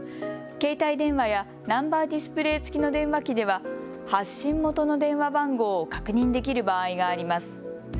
携帯電話やナンバーディスプレー付きの電話機では、発信元の電話番号を確認できる場合があります。